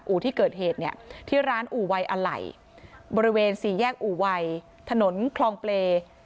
ที่เกิดเหตุเนี่ยที่ร้านอู่วัยอะไหล่บริเวณสี่แยกอู่วัยถนนคลองเปรย์